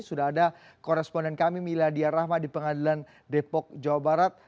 sudah ada koresponden kami miladia rahma di pengadilan depok jawa barat